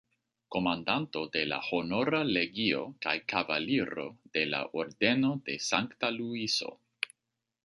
Komandanto de la Honora Legio kaj Kavaliro de la Ordeno de Sankta Luiso.